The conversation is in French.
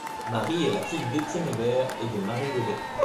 Marie est la fille d’Étienne Hébert et de Marie Gaudet.